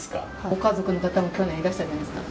ご家族の方も去年いらしたじゃないですか。